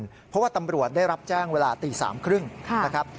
เพราะว่าตำรวจได้รับแจ้งเวลาตี๓๓๐นะครับ